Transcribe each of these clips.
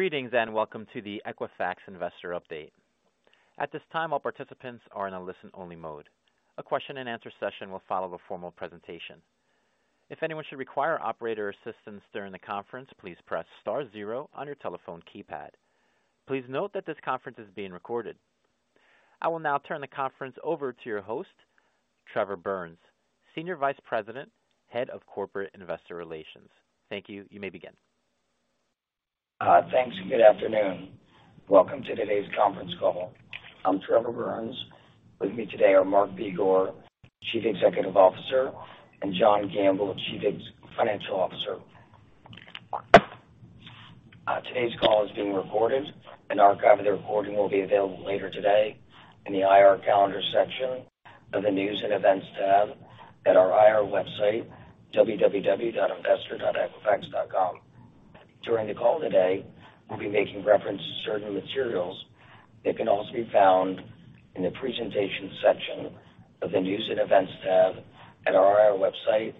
Greetings, and welcome to the Equifax Investor Update. At this time, all participants are in a listen-only mode. A question-and-answer session will follow the formal presentation. If anyone should require operator assistance during the conference, please press star zero on your telephone keypad. Please note that this conference is being recorded. I will now turn the conference over to your host, Trevor Burns, Senior Vice President, Head of Corporate Investor Relations. Thank you. You may begin. Thanks. Good afternoon. Welcome to today's conference call. I'm Trevor Burns. With me today are Mark Begor, Chief Executive Officer, and John Gamble, Chief Financial Officer. Today's call is being recorded. An archive of the recording will be available later today in the IR Calendar section of the News and Events tab at our IR website, www.investor.equifax.com. During the call today, we'll be making reference to certain materials that can also be found in the Presentation section of the News and Events tab at our IR website,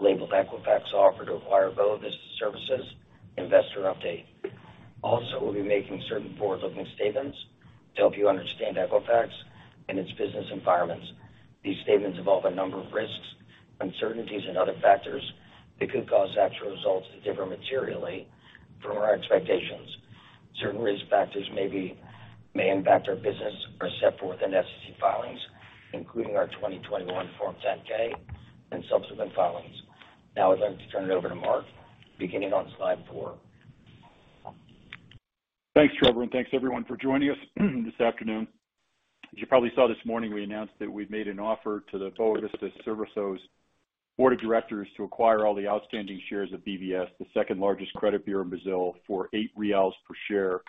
labeled Equifax Offer to Acquire Boa Vista Serviços Investor Update. We'll be making certain forward-looking statements to help you understand Equifax and its business environments. These statements involve a number of risks, uncertainties and other factors that could cause actual results to differ materially from our expectations. Certain risk factors may impact our business are set forth in SEC filings, including our 2021 Form 10-K and subsequent filings. Now I'd like to turn it over to Mark, beginning on slide four. Thanks, Trevor, and thanks everyone for joining us this afternoon. As you probably saw this morning, we announced that we've made an offer to the Boa Vista Serviços board of directors to acquire all the outstanding shares of BVS, the second largest credit bureau in Brazil, for 8 reais per share,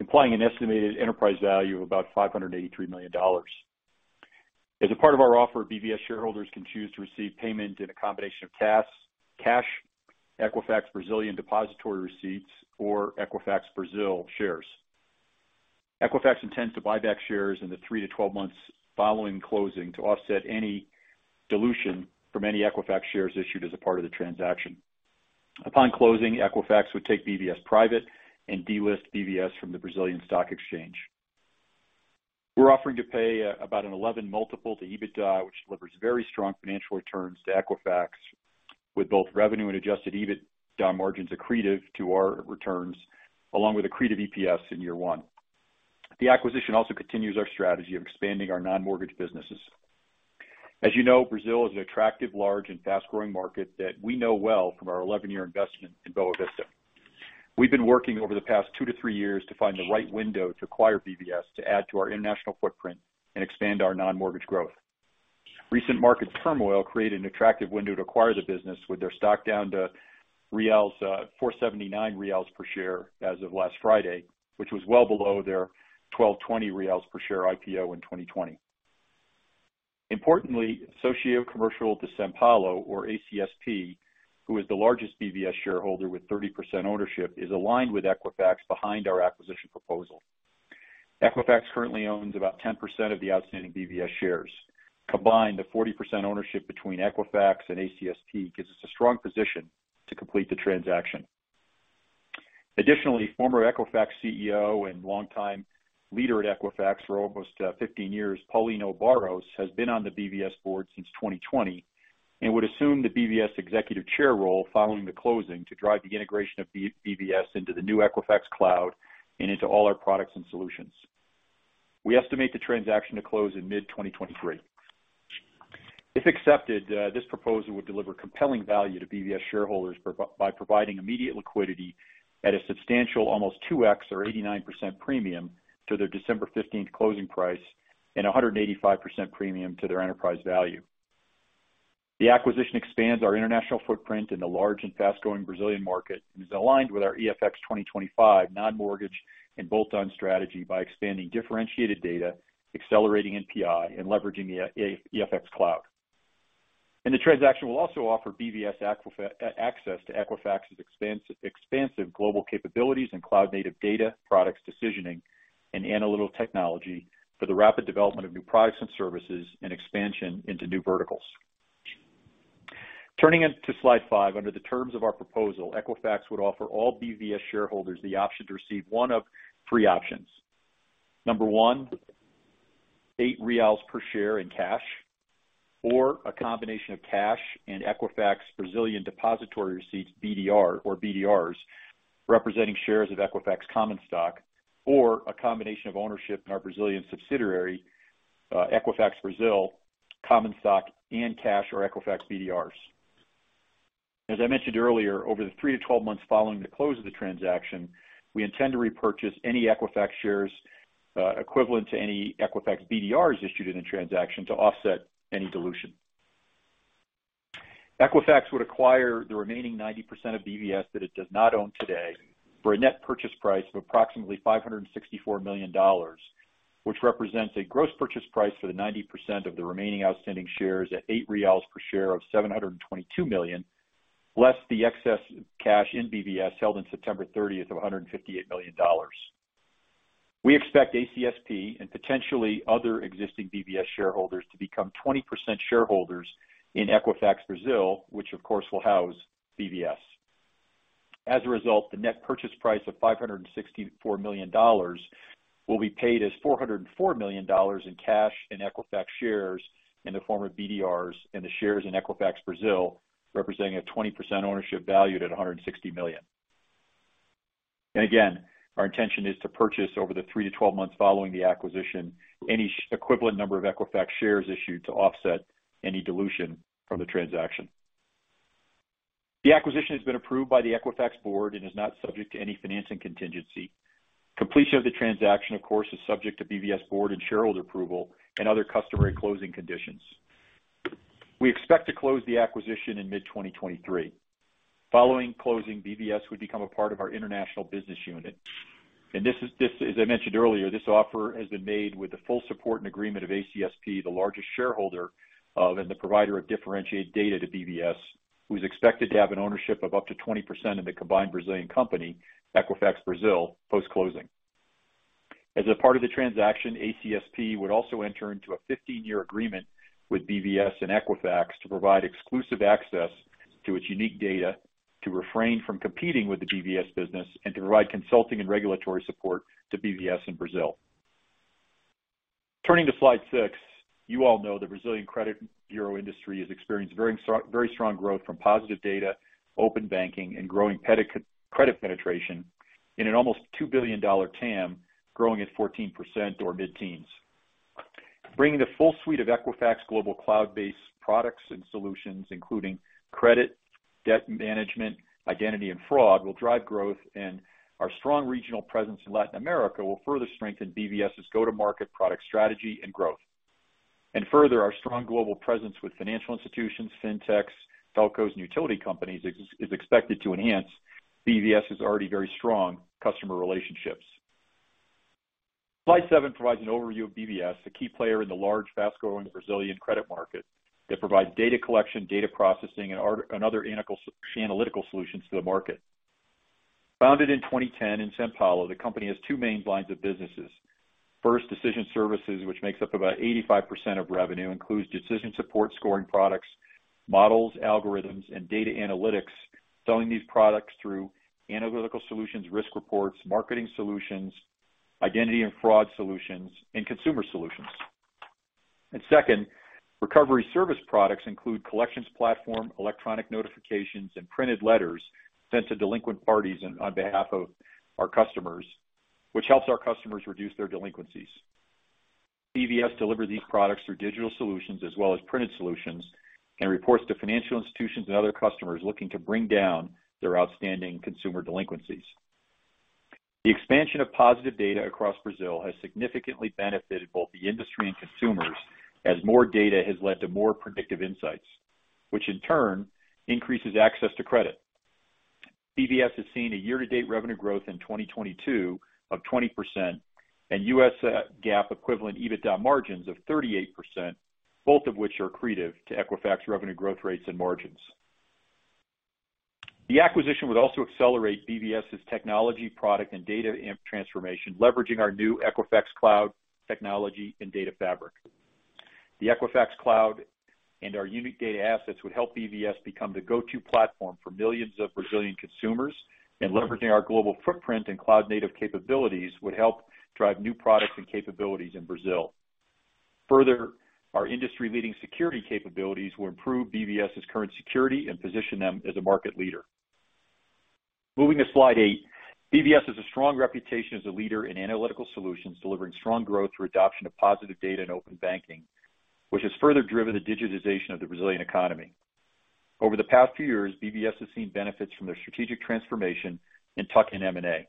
implying an estimated enterprise value of about $583 million. As a part of our offer, BVS shareholders can choose to receive payment in a combination of cash, Equifax Brazilian Depository Receipts or Equifax Brasil shares. Equifax intends to buy back shares in the three-12 months following closing to offset any dilution from any Equifax shares issued as a part of the transaction. Upon closing, Equifax would take BVS private and delist BVS from the Brazilian Stock Exchange. We're offering to pay about an 11x multiple to EBITDA, which delivers very strong financial returns to Equifax, with both revenue and adjusted EBITDA margins accretive to our returns, along with accretive EPS in year one. The acquisition also continues our strategy of expanding our non-mortgage businesses. As you know, Brazil is an attractive, large and fast-growing market that we know well from our 11-year investment in Boa Vista. We've been working over the past two-three years to find the right window to acquire BVS to add to our international footprint and expand our non-mortgage growth. Recent market turmoil created an attractive window to acquire the business with their stock down to 4.79 reais per share as of last Friday, which was well below their 12.20 reais per share IPO in 2020. Importantly, Associação Comercial de São Paulo, or ACSP, who is the largest BVS shareholder with 30% ownership, is aligned with Equifax behind our acquisition proposal. Equifax currently owns about 10% of the outstanding BVS shares. Combined, the 40% ownership between Equifax and ACSP gives us a strong position to complete the transaction. Additionally, former Equifax CEO and longtime leader at Equifax for almost 15 years, Paulino Barros, has been on the BVS board since 2020 and would assume the BVS Executive Chair role following the closing to drive the integration of BVS into the new Equifax Cloud and into all our products and solutions. We estimate the transaction to close in mid-2023. If accepted, this proposal would deliver compelling value to BVS shareholders by providing immediate liquidity at a substantial almost 2x or 89% premium to their December 15th closing price and 185% premium to their enterprise value. The acquisition expands our international footprint in the large and fast-growing Brazilian market and is aligned with our EFX2025 non-mortgage and bolt-on strategy by expanding differentiated data, accelerating NPI and leveraging the Equifax Cloud. The transaction will also offer BVS access to Equifax's expansive global capabilities and cloud native data products decisioning and analytical technology for the rapid development of new products and services and expansion into new verticals. Turning to slide five. Under the terms of our proposal, Equifax would offer all BVS shareholders the option to receive one of three options. Number one, 8 reais per share in cash or a combination of cash and Equifax Brazilian Depository Receipts, BDR or BDRs, representing shares of Equifax common stock or a combination of ownership in our Brazilian subsidiary, Equifax Brasil common stock and cash or Equifax BDRs. As I mentioned earlier, over the three-12 months following the close of the transaction, we intend to repurchase any Equifax shares equivalent to any Equifax BDRs issued in the transaction to offset any dilution. Equifax would acquire the remaining 90% of BVS that it does not own today for a net purchase price of approximately $564 million, which represents a gross purchase price for the 90% of the remaining outstanding shares at 8 reais per share of $722 million, less the excess cash in BVS held in September 30th of $158 million. We expect ACSP and potentially other existing BVS shareholders to become 20% shareholders in Equifax Brazil, which of course will house BVS. As a result, the net purchase price of $564 million will be paid as $404 million in cash and Equifax shares in the form of BDRs and the shares in Equifax Brazil representing a 20% ownership valued at $160 million. Again, our intention is to purchase over the three-12 months following the acquisition, any equivalent number of Equifax shares issued to offset any dilution from the transaction. The acquisition has been approved by the Equifax board and is not subject to any financing contingency. Completion of the transaction, of course, is subject to BVS board and shareholder approval and other customary closing conditions. We expect to close the acquisition in mid-2023. Following closing, BVS would become a part of our international business unit. As I mentioned earlier, this offer has been made with the full support and agreement of ACSP, the largest shareholder of and the provider of differentiated data to BVS, who's expected to have an ownership of up to 20% of the combined Brazilian company, Equifax Brasil, post-closing. As a part of the transaction, ACSP would also enter into a 15-year agreement with BVS and Equifax to provide exclusive access to its unique data, to refrain from competing with the BVS business, and to provide consulting and regulatory support to BVS in Brazil. Turning to slide six. You know the Brazilian credit bureau industry has experienced very strong growth from positive data, open banking and growing credit penetration in an almost $2 billion TAM, growing at 14% or mid-teens. Bringing the full suite of Equifax global cloud-based products and solutions, including credit, debt management, identity and fraud, will drive growth, and our strong regional presence in Latin America will further strengthen BVS' go-to-market product strategy and growth. Further, our strong global presence with financial institutions, fintechs, telcos and utility companies is expected to enhance BVS' already very strong customer relationships. Slide seven provides an overview of BVS, a key player in the large, fast-growing Brazilian credit market that provides data collection, data processing and other analytical solutions to the market. Founded in 2010 in São Paulo, the company has two main lines of businesses. First, Decision Services, which makes up about 85% of revenue, includes decision support scoring products, models, algorithms, and data analytics, selling these products through analytical solutions risk reports, marketing solutions, identity and fraud solutions, and consumer solutions. Second, Recovery Services products include collections platform, electronic notifications, and printed letters sent to delinquent parties on behalf of our customers, which helps our customers reduce their delinquencies. BVS deliver these products through digital solutions as well as printed solutions, and reports to financial institutions and other customers looking to bring down their outstanding consumer delinquencies. The expansion of positive data across Brazil has significantly benefited both the industry and consumers as more data has led to more predictive insights, which in turn increases access to credit. BVS has seen a year-to-date revenue growth in 2022 of 20% and U.S. GAAP equivalent EBITDA margins of 38%, both of which are accretive to Equifax revenue growth rates and margins. The acquisition would also accelerate BVS' technology, product and data transformation, leveraging our new Equifax Cloud technology and data fabric. The Equifax Cloud and our unique data assets would help BVS become the go-to platform for millions of Brazilian consumers. Leveraging our global footprint and cloud native capabilities would help drive new products and capabilities in Brazil. Further, our industry-leading security capabilities will improve BVS' current security and position them as a market leader. Moving to slide eight. BVS has a strong reputation as a leader in analytical solutions, delivering strong growth through adoption of positive data and open banking, which has further driven the digitization of the Brazilian economy. Over the past few years, BVS has seen benefits from their strategic transformation in tuck-in M&A.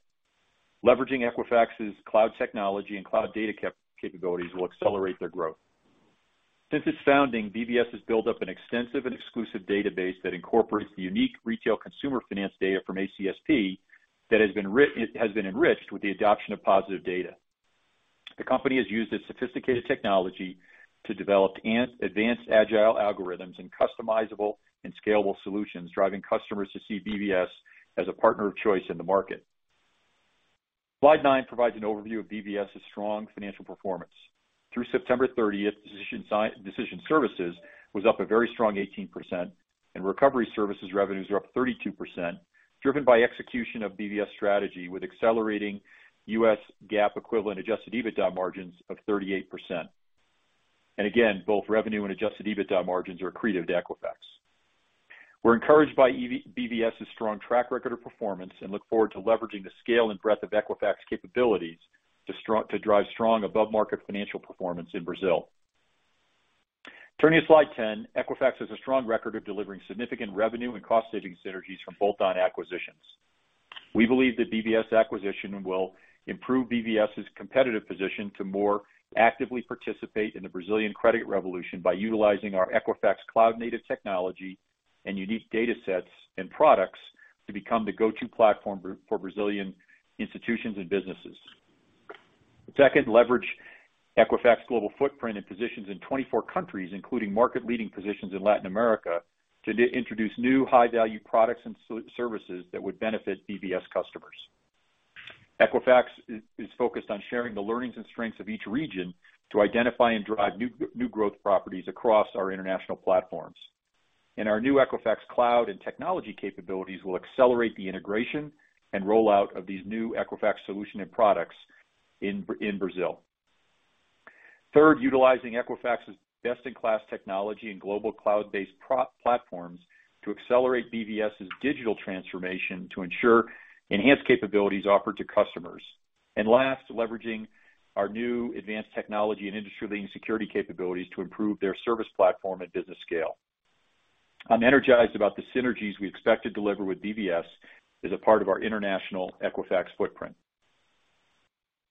Leveraging Equifax's cloud technology and cloud data capabilities will accelerate their growth. Since its founding, BVS has built up an extensive and exclusive database that incorporates the unique retail consumer finance data from ACSP that has been enriched with the adoption of positive data. The company has used its sophisticated technology to develop advanced agile algorithms and customizable and scalable solutions, driving customers to see BVS as a partner of choice in the market. Slide nine provides an overview of BVS's strong financial performance. Through September 30th, Decision Services was up a very strong 18%, and Recovery Services revenues were up 32%, driven by execution of BVS strategy with accelerating U.S. GAAP equivalent adjusted EBITDA margins of 38%. And again, both revenue and adjusted EBITDA margins are accretive to Equifax. We're encouraged by BVS' strong track record of performance and look forward to leveraging the scale and breadth of Equifax capabilities to drive strong above market financial performance in Brazil. Turning to slide 10. Equifax has a strong record of delivering significant revenue and cost saving synergies from bolt-on acquisitions. We believe the BVS acquisition will improve BVS' competitive position to more actively participate in the Brazilian credit revolution by utilizing our Equifax cloud native technology and unique datasets and products to become the go-to platform for Brazilian institutions and businesses. Second, leverage Equifax global footprint and positions in 24 countries, including market leading positions in Latin America to introduce new high value products and services that would benefit BVS customers. Equifax is focused on sharing the learnings and strengths of each region to identify and drive new growth properties across our international platforms. Our new Equifax Cloud and technology capabilities will accelerate the integration and rollout of these new Equifax solution and products in Brazil. Third, utilizing Equifax's best-in-class technology and global cloud-based platforms to accelerate BVS's digital transformation to ensure enhanced capabilities offered to customers. Last, leveraging our new advanced technology and industry-leading security capabilities to improve their service platform and business scale. I'm energized about the synergies we expect to deliver with BVS as a part of our international Equifax footprint.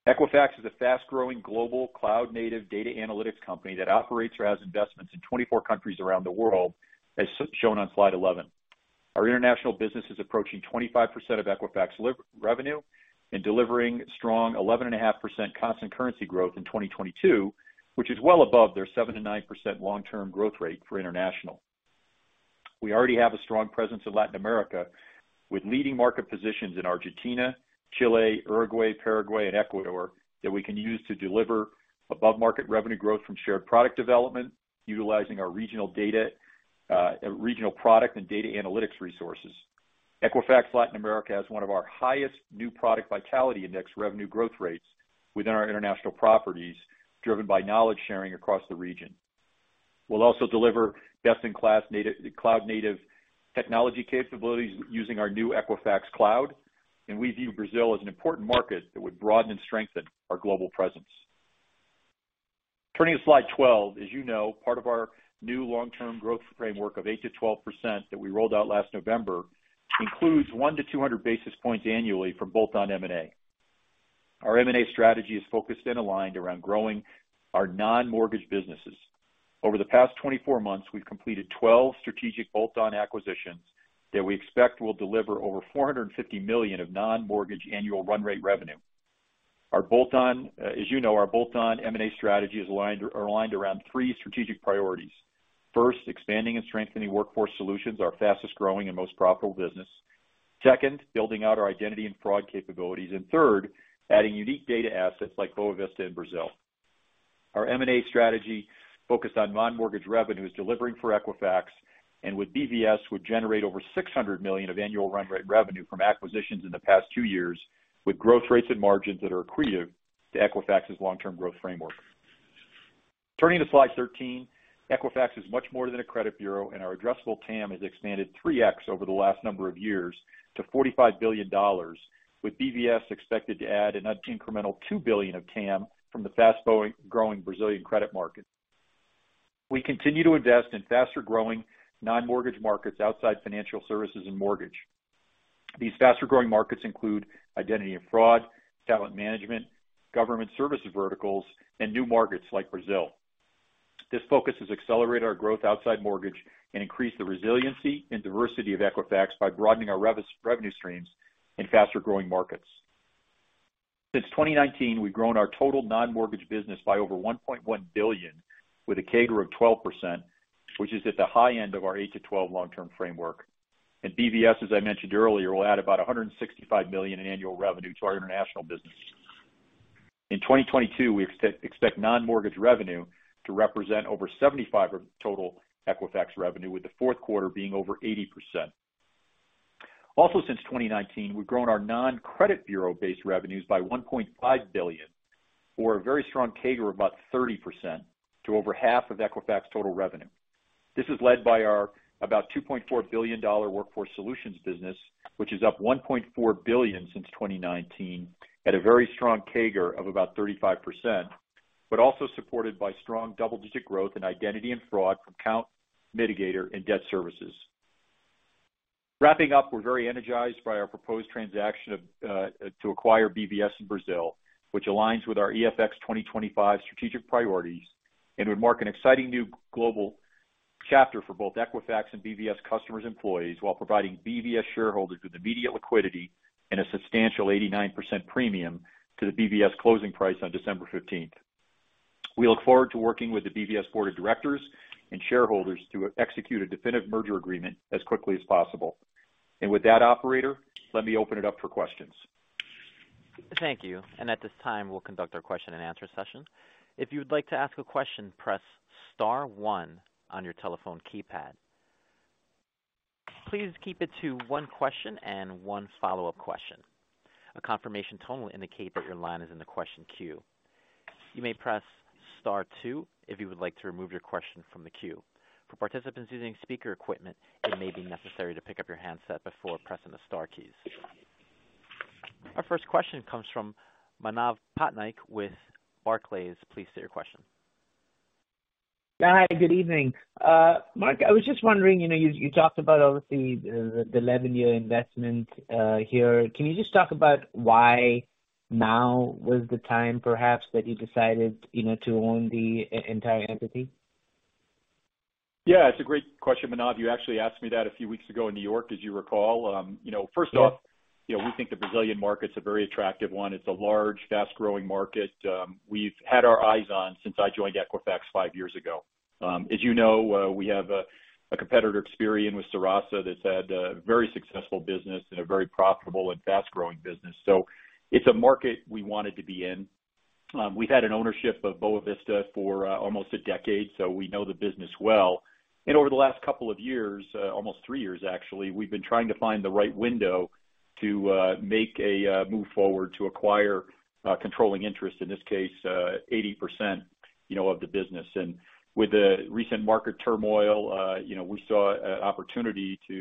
Equifax is a fast-growing global cloud native data analytics company that operates or has investments in 24 countries around the world, as shown on slide 11. Our international business is approaching 25% of Equifax revenue and delivering strong 11.5% constant currency growth in 2022, which is well above their 7%-9% long-term growth rate for international. We already have a strong presence in Latin America with leading market positions in Argentina, Chile, Uruguay, Paraguay, and Ecuador that we can use to deliver above market revenue growth from shared product development utilizing our regional data, regional product and data analytics resources. Equifax Latin America has one of our highest New Product Vitality Index revenue growth rates within our international properties, driven by knowledge sharing across the region. We'll also deliver best in class cloud native technology capabilities using our new Equifax Cloud. We view Brazil as an important market that would broaden and strengthen our global presence. Turning to slide 12. As you know, part of our new long-term growth framework of 8%-12% that we rolled out last November includes 100-200 basis points annually from bolt-on M&A. Our M&A strategy is focused and aligned around growing our non-mortgage businesses. Over the past 24 months, we've completed 12 strategic bolt-on acquisitions that we expect will deliver over $450 million of non-mortgage annual run rate revenue. Our bolt-on, as you know, our bolt-on M&A strategy are aligned around three strategic priorities. First, expanding and strengthening Workforce Solutions, our fastest growing and most profitable business. Second, building out our identity and fraud capabilities. Third, adding unique data assets like Boa Vista in Brazil. Our M&A strategy focused on non-mortgage revenues delivering for Equifax and with BVS would generate over $600 million of annual run rate revenue from acquisitions in the past two years, with growth rates and margins that are accretive to Equifax's long-term growth framework. Turning to slide 13. Equifax is much more than a credit bureau, and our addressable TAM has expanded 3x over the last number of years to $45 billion, with BVS expected to add an incremental $2 billion of TAM from the fast-growing Brazilian credit market. We continue to invest in faster growing non-mortgage markets outside financial services and mortgage. These faster growing markets include identity and fraud, talent management, government services verticals, and new markets like Brazil. This focus has accelerated our growth outside mortgage and increased the resiliency and diversity of Equifax by broadening our revenue streams in faster growing markets. Since 2019, we've grown our total non-mortgage business by over $1.1 billion with a CAGR of 12%, which is at the high end of our eight-12 long-term framework. BVS, as I mentioned earlier, will add about $165 million in annual revenue to our international business. In 2022, we expect non-mortgage revenue to represent over 75% of total Equifax revenue, with the fourth quarter being over 80%. Since 2019, we've grown our non-credit bureau-based revenues by $1.5 billion or a very strong CAGR of about 30% to over half of Equifax total revenue. This is led by our about $2.4 billion Workforce Solutions business, which is up $1.4 billion since 2019 at a very strong CAGR of about 35%, but also supported by strong double-digit growth in identity and fraud from Kount, Midigator, and Debt Services. Wrapping up, we're very energized by our proposed transaction to acquire BVS in Brazil, which aligns with our EFX2025 strategic priorities and would mark an exciting new global chapter for both Equifax and BVS customers employees while providing BVS shareholders with immediate liquidity and a substantial 89% premium to the BVS closing price on December 15th. We look forward to working with the BVS board of directors and shareholders to execute a definitive merger agreement as quickly as possible. With that, operator, let me open it up for questions. Thank you. At this time, we'll conduct our question-and-answer session. If you would like to ask a question, press star one on your telephone keypad. Please keep it to one question and one follow-up question. A confirmation tone will indicate that your line is in the question queue. You may press star two if you would like to remove your question from the queue. For participants using speaker equipment, it may be necessary to pick up your handset before pressing the star keys. Our first question comes from Manav Patnaik with Barclays. Please state your question. Hi. Good evening. Mark, I was just wondering, you know, you talked about obviously the 11-year investment here. Can you just talk about why now was the time perhaps that you decided, you know, to own the entire entity? Yeah, it's a great question, Manav. You actually asked me that a few weeks ago in New York, as you recall. You know, first off, you know, we think the Brazilian market's a very attractive one. It's a large, fast-growing market, we've had our eyes on since I joined Equifax five years ago. As you know, we have a competitor, Experian, with Serasa that's had a very successful business and a very profitable and fast-growing business. It's a market we wanted to be in. We've had an ownership of Boa Vista for almost a decade, we know the business well. Over the last couple of years, almost three years actually, we've been trying to find the right window to make a move forward to acquire a controlling interest, in this case, 80%, you know, of the business. With the recent market turmoil, you know, we saw an opportunity to,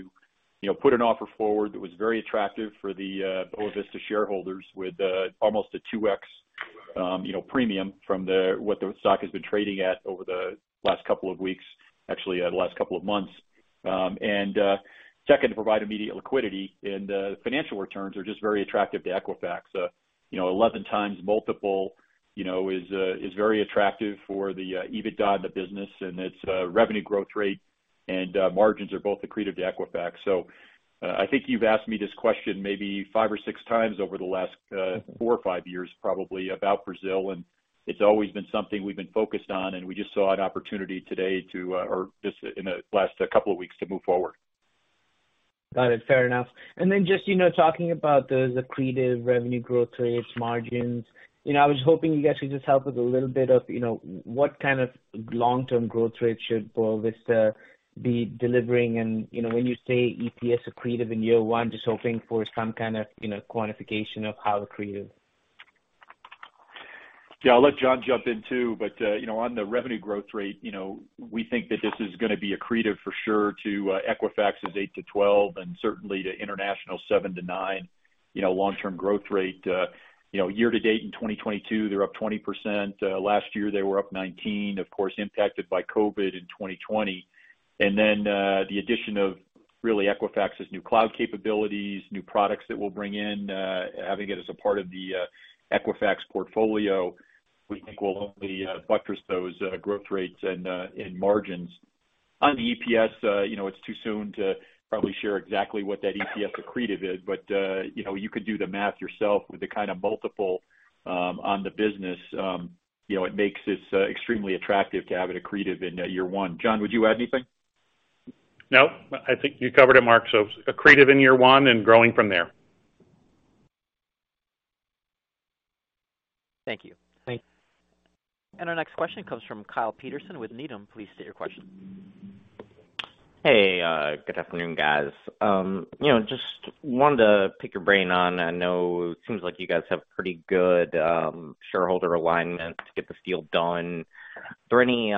you know, put an offer forward that was very attractive for the Boa Vista shareholders with almost a 2x, you know, premium from the, what the stock has been trading at over the last couple of weeks, actually the last couple of months. Second, to provide immediate liquidity and the financial returns are just very attractive to Equifax. You know, 11x multiple, you know, is very attractive for the EBITDA in the business and its revenue growth rate and margins are both accretive to Equifax. I think you've asked me this question maybe five or 6x over the last four or five years probably about Brazil, and it's always been something we've been focused on, and we just saw an opportunity today to, or just in the last couple of weeks to move forward. Got it. Fair enough. Just, you know, talking about the accretive revenue growth rates, margins, you know, I was hoping you guys could just help with a little bit of, you know, what kind of long-term growth rate should Boa Vista be delivering? You know, when you say EPS accretive in year one, just hoping for some kind of, you know, quantification of how accretive. Yeah, I'll let John jump in too. You know, on the revenue growth rate, you know, we think that this is gonna be accretive for sure to Equifax's 8%-12% and certainly to international 7%-9%, you know, long-term growth rate. You know, year to date in 2022, they're up 20%. Last year, they were up 19%, of course impacted by COVID in 2020. Then, the addition of really Equifax's new cloud capabilities, new products that we'll bring in, having it as a part of the Equifax portfolio, we think will only buttress those growth rates and margins. On the EPS, you know, it's too soon to probably share exactly what that EPS accretive is. You know, you could do the math yourself with the kind of multiple on the business. You know, it makes this extremely attractive to have it accretive in year one. John, would you add anything? No, I think you covered it, Mark. Accretive in year one and growing from there. Thank you. Thanks. Our next question comes from Kyle Peterson with Needham. Please state your question. Hey, good afternoon, guys. You know, just wanted to pick your brain on, I know it seems like you guys have pretty good shareholder alignment to get this deal done. Are there any, you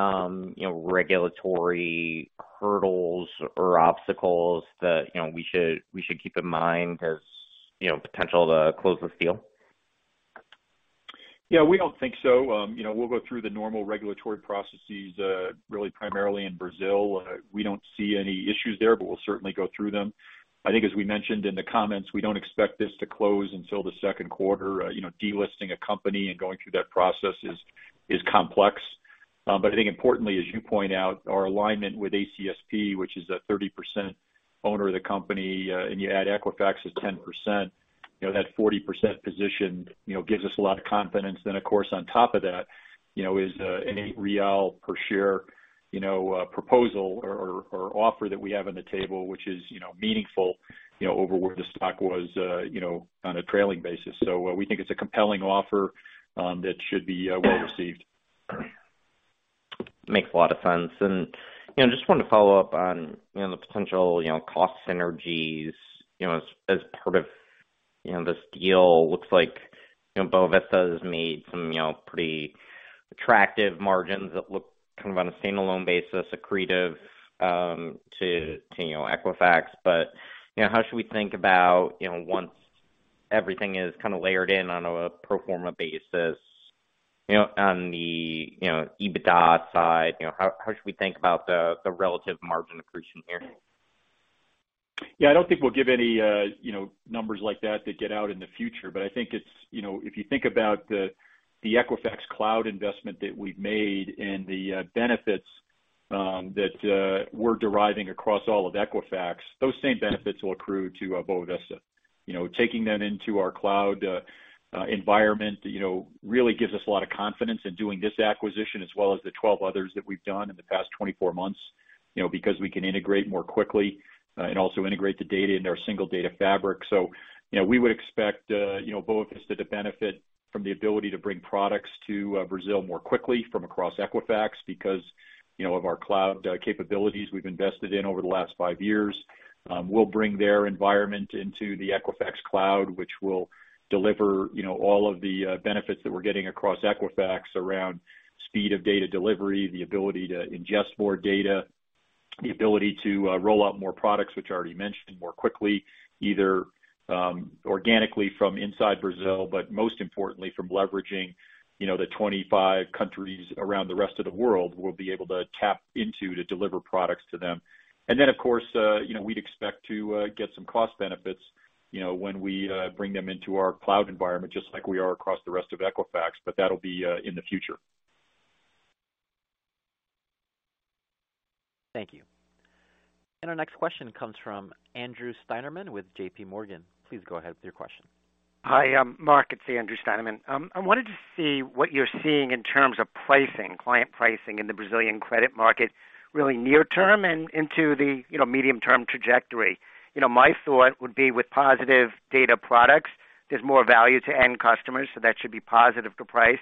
know, regulatory hurdles or obstacles that, you know, we should keep in mind as, you know, potential to close this deal? Yeah, we don't think so. You know, we'll go through the normal regulatory processes, really primarily in Brazil. We don't see any issues there, but we'll certainly go through them. I think as we mentioned in the comments, we don't expect this to close until the second quarter. You know, delisting a company and going through that process is complex. I think importantly, as you point out, our alignment with ACSP, which is a 30% owner of the company, and you add Equifax is 10%, you know, that 40% position, you know, gives us a lot of confidence. Of course, on top of that, you know, is an 8 real per share, you know, proposal or offer that we have on the table, which is, you know, meaningful, you know, over where the stock was, you know, on a trailing basis. We think it's a compelling offer that should be well received. Makes a lot of sense. You know, just wanted to follow up on, you know, the potential, you know, cost synergies, you know, as part of, you know, this deal. Looks like, you know, Boa Vista has made some, you know, pretty attractive margins that look kind of on a standalone basis accretive, to, you know, Equifax. You know, how should we think about, you know, once everything is kind of layered in on a pro forma basis, you know, on the, you know, EBITDA side, you know, how should we think about the relative margin accretion here? Yeah, I don't think we'll give any, you know, numbers like that get out in the future. I think it's, you know, if you think about the Equifax Cloud investment that we've made and the benefits that we're deriving across all of Equifax, those same benefits will accrue to Boa Vista. You know, taking them into our cloud environment, you know, really gives us a lot of confidence in doing this acquisition as well as the 12 others that we've done in the past 24 months, you know, because we can integrate more quickly and also integrate the data into our single data fabric. You know, we would expect, you know, Boa Vista to benefit from the ability to bring products to Brazil more quickly from across Equifax because, you know, of our Cloud capabilities we've invested in over the last five years. We'll bring their environment into the Equifax Cloud, which will deliver, you know, all of the benefits that we're getting across Equifax around speed of data delivery, the ability to ingest more data, the ability to roll out more products, which I already mentioned more quickly, either organically from inside Brazil, but most importantly from leveraging, you know, the 25 countries around the rest of the world we'll be able to tap into to deliver products to them. Of course, you know, we'd expect to get some cost benefits, you know, when we bring them into our cloud environment, just like we are across the rest of Equifax. That'll be in the future. Thank you. Our next question comes from Andrew Steinerman with JPMorgan. Please go ahead with your question. Hi, Mark. It's Andrew Steinerman. I wanted to see what you're seeing in terms of pricing, client pricing in the Brazilian credit market, really near term and into the, you know, medium-term trajectory. You know, my thought would be with positive data products, there's more value to end customers, so that should be positive to price.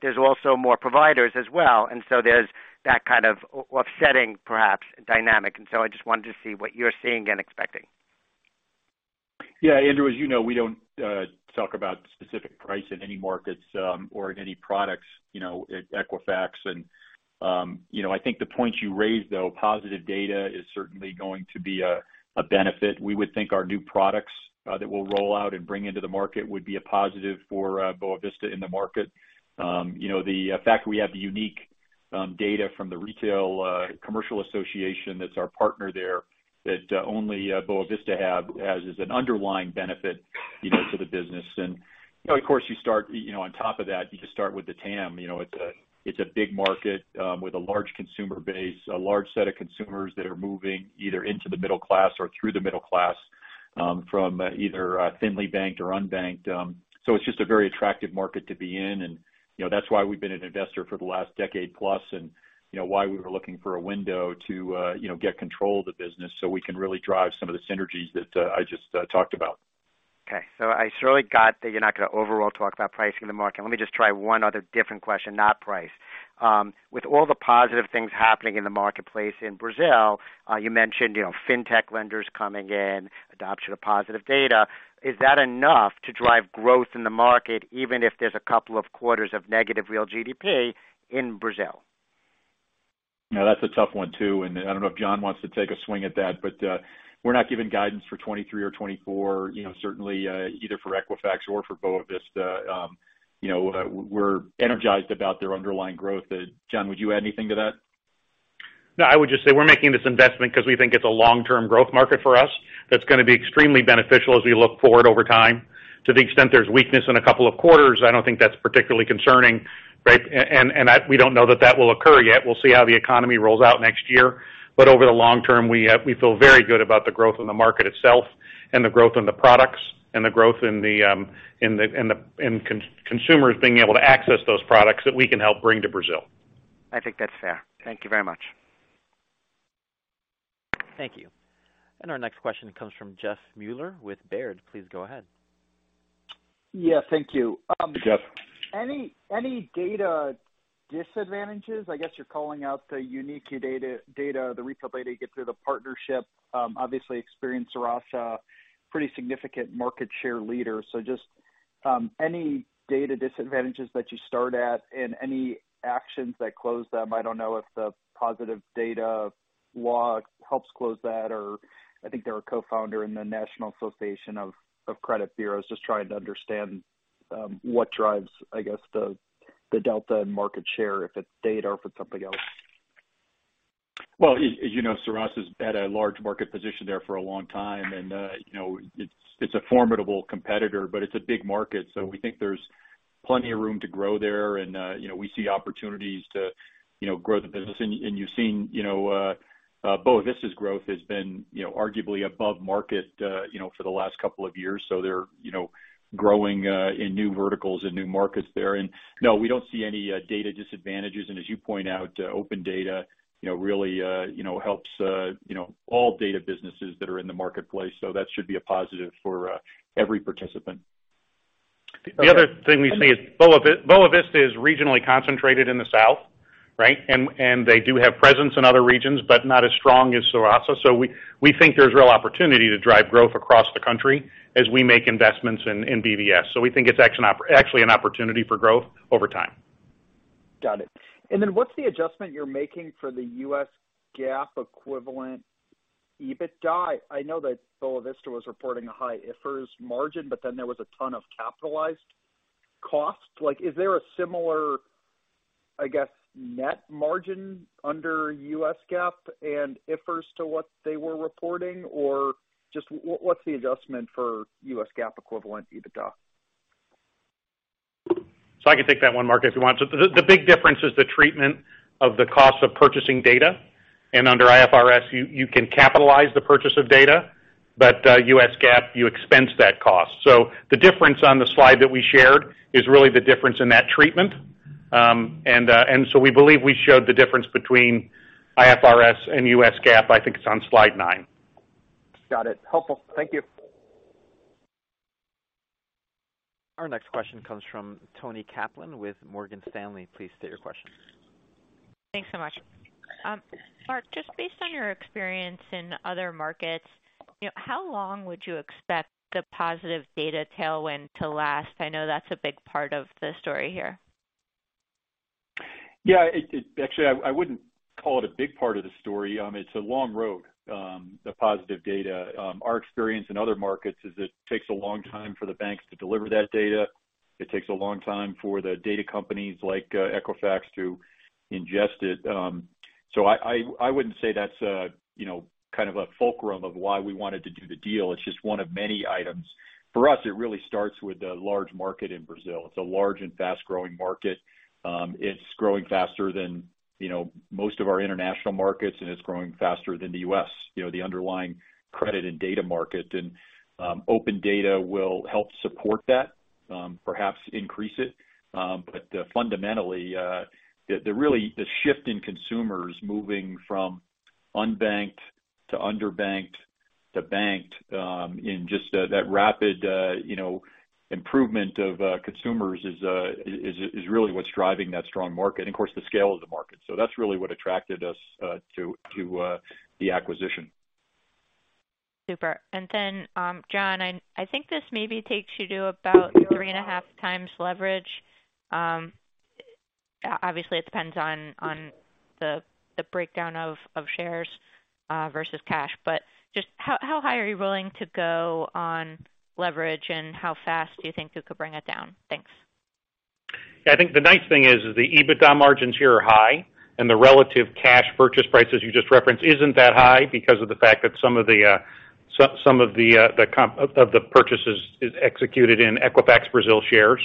There's also more providers as well, and so there's that kind of offsetting, perhaps dynamic. I just wanted to see what you're seeing and expecting. Andrew, as you know, we don't talk about specific price in any markets or in any products, you know, at Equifax. I think the point you raised, though, positive data is certainly going to be a benefit. We would think our new products that we'll roll out and bring into the market would be a positive for Boa Vista in the market. The fact that we have the unique data from the retail commercial association that's our partner there that only Boa Vista has is an underlying benefit, you know, to the business. Of course, you start, you know, on top of that, you just start with the TAM. You know, it's a, it's a big market, with a large consumer base, a large set of consumers that are moving either into the middle class or through the middle class, from either, thinly banked or unbanked. It's just a very attractive market to be in. You know, that's why we've been an investor for the last decade plus and, you know, why we were looking for a window to, you know, get control of the business so we can really drive some of the synergies that I just talked about. Okay. I surely got that you're not gonna overall talk about pricing in the market. Let me just try one other different question, not price. With all the positive things happening in the marketplace in Brazil, you mentioned, you know, fintech lenders coming in, adoption of positive data, is that enough to drive growth in the market, even if there's a couple of quarters of negative real GDP in Brazil? That's a tough one, too, and I don't know if John wants to take a swing at that. We're not giving guidance for 2023 or 2024, you know, certainly, either for Equifax or for Boa Vista. You know, we're energized about their underlying growth. John, would you add anything to that? No, I would just say we're making this investment because we think it's a long-term growth market for us that's gonna be extremely beneficial as we look forward over time. To the extent there's weakness in a couple of quarters, I don't think that's particularly concerning, right. We don't know that that will occur yet. We'll see how the economy rolls out next year. Over the long term, we feel very good about the growth in the market itself and the growth in the products and the growth in the consumers being able to access those products that we can help bring to Brazil. I think that's fair. Thank you very much. Thank you. Our next question comes from Jeff Meuler with Baird. Please go ahead. Yeah, thank you. Jeff. Any data disadvantages, I guess you're calling out the unique data, the retail data you get through the partnership, obviously, Experian, Serasa, pretty significant market share leader. Just, any data disadvantages that you start at and any actions that close them? I don't know if the positive data law helps close that or I think they're a Co-Founder in the National Association of Credit Bureaus. Just trying to understand, what drives, I guess, the delta in market share, if it's data or if it's something else. Well, as you know, Serasa's had a large market position there for a long time. It's, you know, it's a formidable competitor, but it's a big market. We think there's plenty of room to grow there. We see opportunities to, you know, grow the business. You've seen, you know, Boa Vista's growth has been, you know, arguably above market, you know, for the last couple of years. They're, you know, growing in new verticals and new markets there. No, we don't see any data disadvantages. As you point out, Open Data, you know, really, you know, helps, you know, all data businesses that are in the marketplace. That should be a positive for every participant. The other thing we see is Boa Vista is regionally concentrated in the south, right? They do have presence in other regions, but not as strong as Serasa. We think there's real opportunity to drive growth across the country as we make investments in BVS. We think it's actually an opportunity for growth over time. Got it. Then what's the adjustment you're making for the U.S. GAAP equivalent EBITDA? I know that Boa Vista was reporting a high IFRS margin, then there was a ton of capitalized costs. Like, is there a similar, I guess, net margin under U.S. GAAP and IFRS to what they were reporting? Just what's the adjustment for U.S. GAAP equivalent EBITDA? I can take that one, Mark, if you want. The big difference is the treatment of the cost of purchasing data. Under IFRS, you can capitalize the purchase of data, but U.S. GAAP, you expense that cost. The difference on the slide that we shared is really the difference in that treatment. We believe we showed the difference between IFRS and U.S. GAAP. I think it's on slide nine. Got it. Helpful. Thank you. Our next question comes from Toni Kaplan with Morgan Stanley. Please state your question? Thanks so much. Mark, just based on your experience in other markets, you know, how long would you expect the positive data tailwind to last? I know that's a big part of the story here. Yeah. Actually, I wouldn't call it a big part of the story. It's a long road, the positive data. Our experience in other markets is it takes a long time for the banks to deliver that data. It takes a long time for the data companies like Equifax to ingest it. I wouldn't say that's a, you know, kind of a fulcrum of why we wanted to do the deal. It's just one of many items. For us, it really starts with the large market in Brazil. It's a large and fast-growing market. It's growing faster than, you know, most of our international markets, and it's growing faster than the U.S., you know, the underlying credit and data market. Open Data will help support that, perhaps increase it. Fundamentally, the really the shift in consumers moving from unbanked to underbanked to banked, in just that rapid improvement of consumers is really what's driving that strong market and of course, the scale of the market. That's really what attracted us to the acquisition. Super. John, I think this maybe takes you to about three and a half times leverage. Obviously, it depends on the breakdown of shares, versus cash. Just how high are you willing to go on leverage? How fast do you think you could bring it down? Thanks. I think the nice thing is the EBITDA margins here are high and the relative cash purchase price, as you just referenced, isn't that high because of the fact that some of the purchase is executed in Equifax Brasil shares.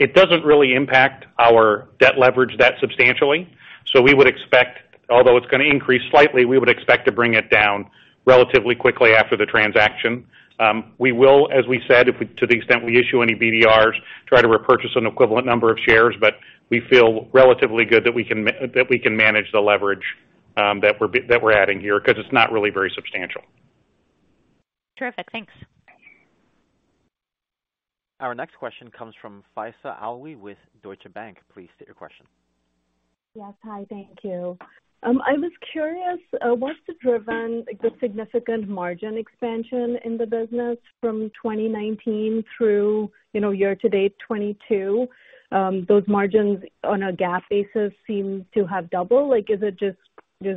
It doesn't really impact our debt leverage that substantially. We would expect, although it's gonna increase slightly, we would expect to bring it down relatively quickly after the transaction. We will, as we said, to the extent we issue any BDRs, try to repurchase an equivalent number of shares. We feel relatively good that we can manage the leverage that we're adding here because it's not really very substantial. Terrific. Thanks. Our next question comes from Faiza Alwy with Deutsche Bank. Please state your question. Yes. Hi. Thank you. I was curious what's driven the significant margin expansion in the business from 2019 through, you know, year-to-date 2022? Those margins on a GAAP basis seem to have doubled. Like, is it just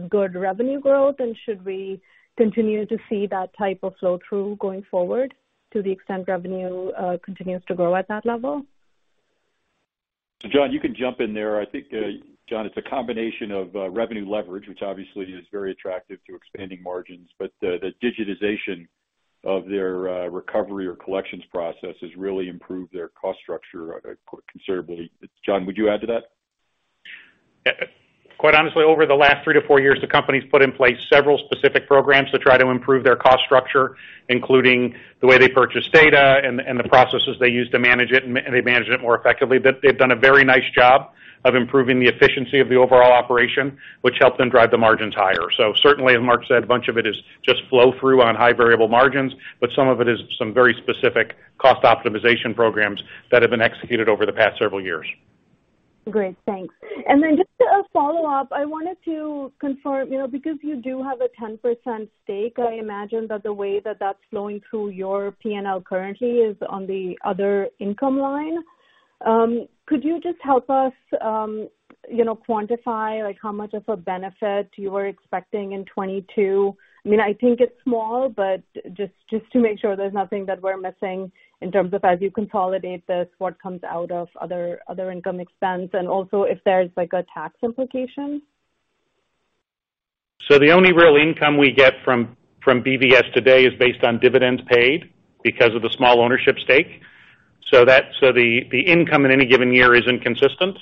good revenue growth? Should we continue to see that type of flow-through going forward to the extent revenue continues to grow at that level? John, you can jump in there. I think, John, it's a combination of revenue leverage, which obviously is very attractive to expanding margins. The digitization of their recovery or collections process has really improved their cost structure considerably. John, would you add to that? Quite honestly, over the last three to four years, the company's put in place several specific programs to try to improve their cost structure, including the way they purchase data and the processes they use to manage it, and they manage it more effectively. They've done a very nice job of improving the efficiency of the overall operation, which helped them drive the margins higher. Certainly, as Mark said, a bunch of it is just flow through on high variable margins, but some of it is some very specific cost optimization programs that have been executed over the past several years. Great. Thanks. Just a follow-up, I wanted to confirm, you know, because you do have a 10% stake, I imagine that the way that that's flowing through your P&L currently is on the other income line. Could you just help us, you know, quantify, like, how much of a benefit you were expecting in 2022? I mean, I think it's small, but just to make sure there's nothing that we're missing in terms of as you consolidate this, what comes out of other income expense and also if there's like a tax implication. The only real income we get from BVS today is based on dividends paid because of the small ownership stake. The income in any given year is inconsistent.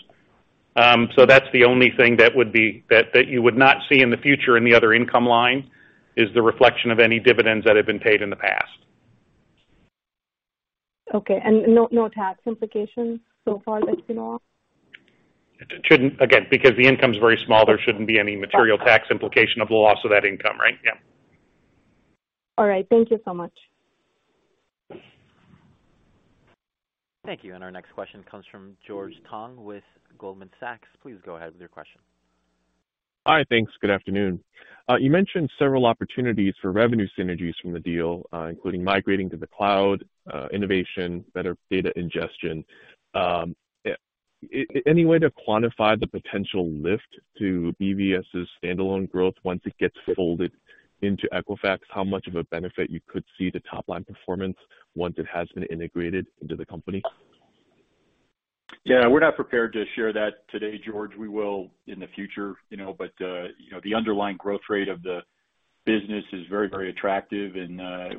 That's the only thing that you would not see in the future in the other income line is the reflection of any dividends that have been paid in the past. Okay. No, no tax implications so far that you know of? It shouldn't. Again, because the income is very small, there shouldn't be any material tax implication of the loss of that income. Right? Yeah. All right. Thank you so much. Thank you. Our next question comes from George Tong with Goldman Sachs. Please go ahead with your question. Hi. Thanks. Good afternoon. You mentioned several opportunities for revenue synergies from the deal, including migrating to the cloud, innovation, better data ingestion. Any way to quantify the potential lift to BVS's standalone growth once it gets folded into Equifax? How much of a benefit you could see to top line performance once it has been integrated into the company? Yeah. We're not prepared to share that today, George. We will in the future, you know. You know, the underlying growth rate of the business is very, very attractive.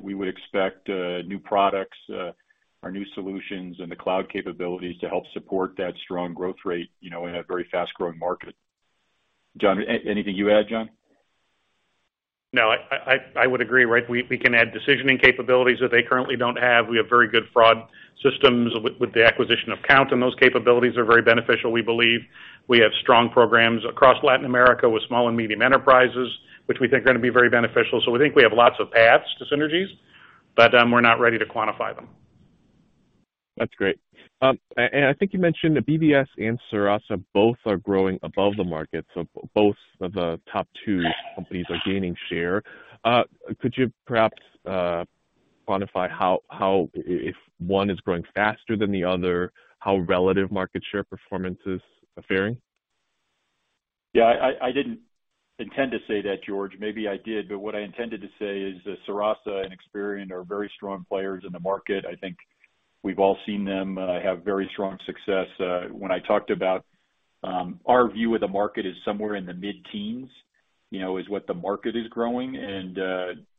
We would expect new products or new solutions in the cloud capabilities to help support that strong growth rate, you know, in a very fast-growing market. John, anything you add, John? No, I would agree, right? We can add decisioning capabilities that they currently don't have. We have very good fraud systems with the acquisition of Kount, and those capabilities are very beneficial, we believe. We have strong programs across Latin America with small and medium enterprises, which we think are gonna be very beneficial. We think we have lots of paths to synergies, but we're not ready to quantify them. That's great. And I think you mentioned that BVS and Serasa both are growing above the market, so both of the top two companies are gaining share. Could you perhaps quantify how if one is growing faster than the other, how relative market share performance is faring? I didn't intend to say that, George. Maybe I did, but what I intended to say is that Serasa and Experian are very strong players in the market. I think we've all seen them have very strong success. When I talked about our view of the market is somewhere in the mid-teens, you know, is what the market is growing,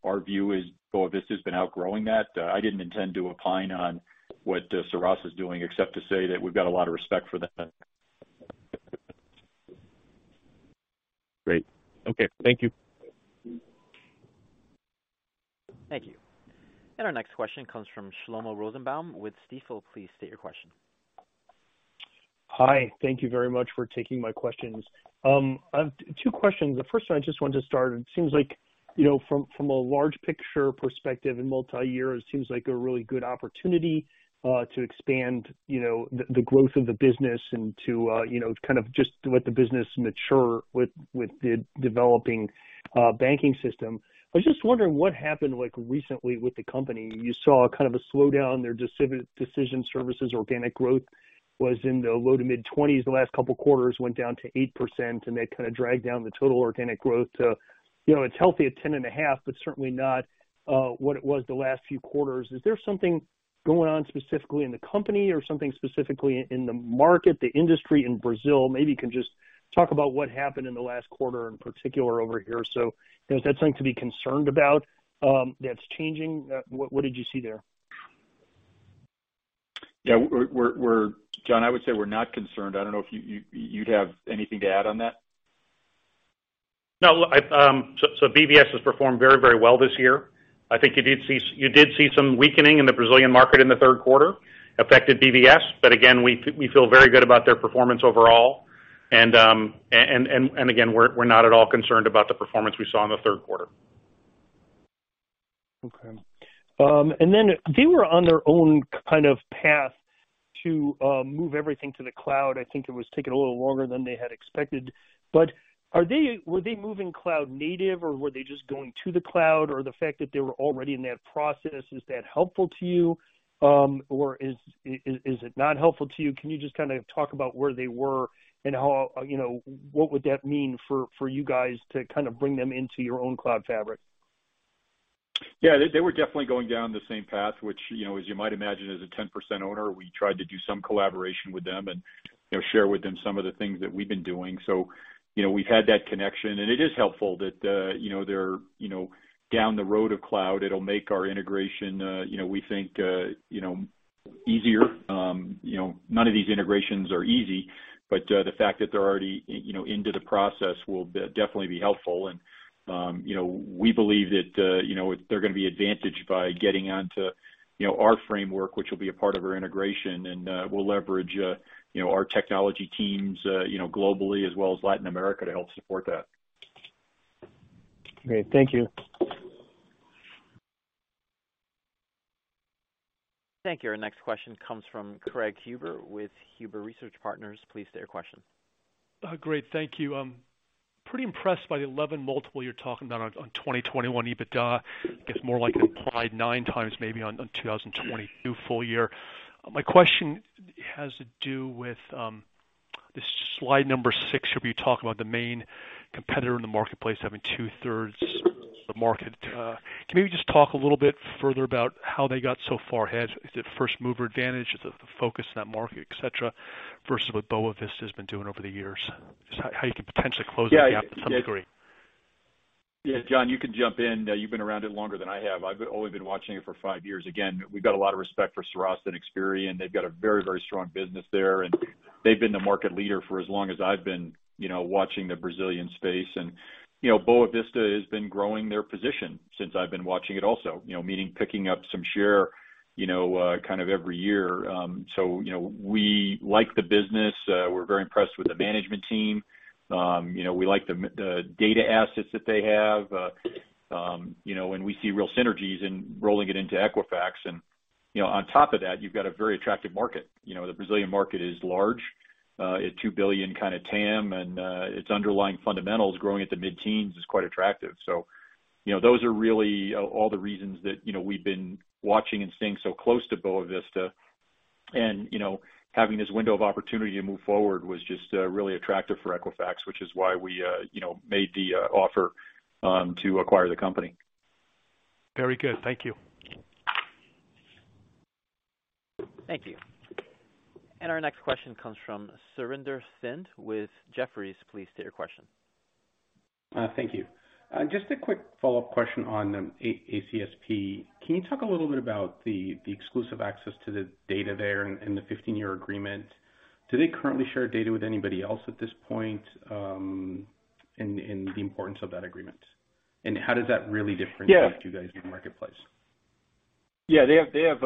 our view is Boa Vista has been outgrowing that. I didn't intend to opine on what Serasa is doing, except to say that we've got a lot of respect for them. Great. Okay. Thank you. Thank you. Our next question comes from Shlomo Rosenbaum with Stifel. Please state your question. Hi. Thank you very much for taking my questions. I have two questions. The first one, I just wanted to start, it seems like, you know, from a large picture perspective in multi-year, it seems like a really good opportunity to expand, you know, the growth of the business and to, you know, kind of just let the business mature with the developing banking system. I was just wondering what happened like recently with the company. You saw kind of a slowdown there. Decision Services organic growth was in the low-to-mid 20s. The last couple of quarters went down to 8%, and that kind of dragged down the total organic growth to, you know, it's healthy at 10.5, but certainly not what it was the last few quarters. Is there something going on specifically in the company or something specifically in the market, the industry in Brazil? Maybe you can just talk about what happened in the last quarter, in particular over here. Is that something to be concerned about, that's changing? What did you see there? Yeah, we're, John, I would say we're not concerned. I don't know if you'd have anything to add on that. No. BVS has performed very, very well this year. I think you did see some weakening in the Brazilian market in the third quarter, affected BVS. Again, we feel very good about their performance overall. Again, we're not at all concerned about the performance we saw in the third quarter. Okay. Then they were on their own kind of path to move everything to the cloud. I think it was taking a little longer than they had expected. Were they moving cloud native or were they just going to the cloud or the fact that they were already in that process, is that helpful to you? Or is it not helpful to you? Can you just kinda talk about where they were and how, you know, what would that mean for you guys to kind of bring them into your own cloud fabric? Yeah, they were definitely going down the same path, which, you know, as you might imagine, as a 10% owner, we tried to do some collaboration with them and, you know, share with them some of the things that we've been doing. We've had that connection. It is helpful that, you know, they're, you know, down the road of cloud, it'll make our integration, you know, we think, you know, easier. You know, none of these integrations are easy, but the fact that they're already, you know, into the process will definitely be helpful. You know, we believe that, you know, they're gonna be advantaged by getting onto, you know, our framework, which will be a part of our integration, and, we'll leverage, you know, our technology teams, you know, globally as well as Latin America to help support that. Great. Thank you. Thank you. Our next question comes from Craig Huber with Huber Research Partners. Please state your question. Great. Thank you. I'm pretty impressed by the 11x multiple you're talking about on 2021 EBITDA. It's more like applied 9x, maybe on 2022 full year. My question has to do with this slide six, where you talk about the main competitor in the marketplace having two-thirds the market. Can you just talk a little bit further about how they got so far ahead? Is it first mover advantage? Is it the focus in that market, et cetera, versus what Boa Vista has been doing over the years? How you can potentially close that gap to some degree. Yeah. John, you can jump in. You've been around it longer than I have. I've only been watching it for five years. We've got a lot of respect for Serasa Experian. They've got a very, very strong business there, and they've been the market leader for as long as I've been, you know, watching the Brazilian space. You know, Boa Vista has been growing their position since I've been watching it also. You know, meaning picking up some share, you know, kind of every year. You know, we like the business. We're very impressed with the management team. You know, we like the data assets that they have. You know, when we see real synergies in rolling it into Equifax and, you know, on top of that, you've got a very attractive market. You know, the Brazilian market is large, a 2 billion kinda TAM, and its underlying fundamentals growing at the mid-teens is quite attractive. You know, those are really all the reasons that, you know, we've been watching and staying so close to Boa Vista. You know, having this window of opportunity to move forward was just really attractive for Equifax, which is why we, you know, made the offer to acquire the company. Very good. Thank you. Thank you. Our next question comes from Surinder Thind with Jefferies. Please state your question. Thank you. Just a quick follow-up question on ACSP. Can you talk a little bit about the 15-year agreement? Do they currently share data with anybody else at this point, and the importance of that agreement? How does that really differentiate- Yeah. you guys in the marketplace? Yeah. They have, they have,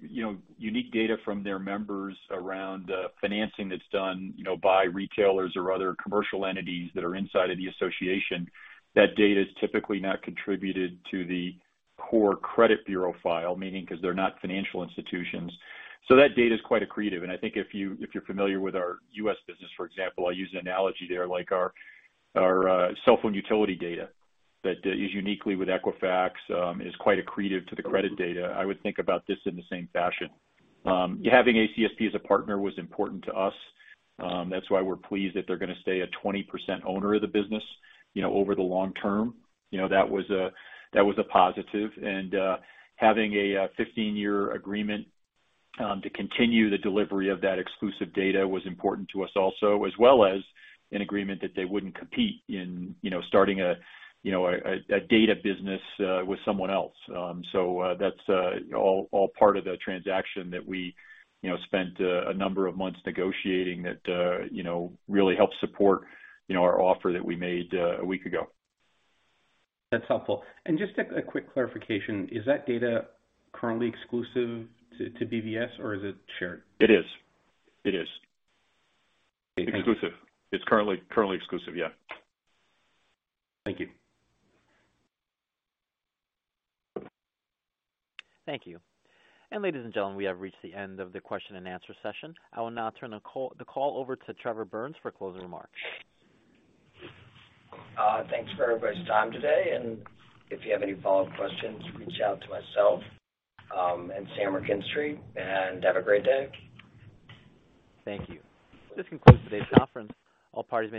you know, unique data from their members around financing that's done, you know, by retailers or other commercial entities that are inside of the association. That data is typically not contributed to the core credit bureau file, meaning because they're not financial institutions. That data is quite accretive. I think if you're familiar with our U.S. business, for example, I'll use an analogy there, like our cell phone utility data that is uniquely with Equifax, is quite accretive to the credit data. I would think about this in the same fashion. Having ACSP as a partner was important to us. That's why we're pleased that they're gonna stay a 20% owner of the business, you know, over the long term. You know, that was a positive. Having a 15-year agreement to continue the delivery of that exclusive data was important to us also, as well as an agreement that they wouldn't compete in starting a data business with someone else. That's all part of the transaction that we spent a number of months negotiating that really helps support our offer that we made a week ago. That's helpful. Just a quick clarification. Is that data currently exclusive to BVS, or is it shared? It is. Exclusive. It's currently exclusive, yeah. Thank you. Thank you. Ladies and gentlemen, we have reached the end of the question-and-answer session. I will now turn the call over to Trevor Burns for closing remarks. Thanks for everybody's time today. If you have any follow-up questions, reach out to myself, and Sam McKinstry, and have a great day. Thank you. This concludes today's conference. All parties may disconnect.